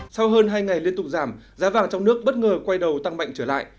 sau hơn hai ngày liên tục giảm giá vàng trong nước bất ngờ quay đầu tăng mạnh trở lại